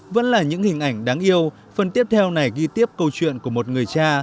vẫn là những hình ảnh đáng yêu phần tiếp theo này ghi tiếp câu chuyện của một người cha